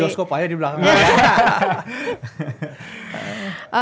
bioskop aja di belakang ya